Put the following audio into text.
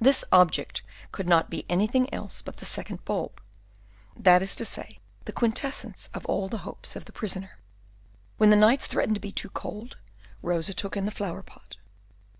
This object could not be anything else but the second bulb, that is to say, the quintessence of all the hopes of the prisoner. When the nights threatened to be too cold, Rosa took in the flower pot.